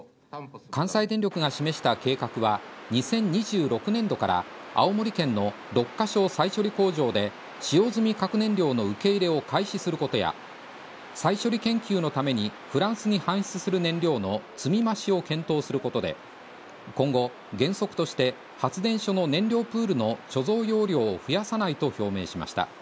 関西電力が示した計画は、２０２６年度から青森県の六ヶ所再処理工場で使用済み核燃料の受け入れを開始することや、再処理研究のためにフランスに搬出する燃料の積み増しを検討することで、今後、原則として発電所の燃料プールの貯蔵容量を増やさないと表明しました。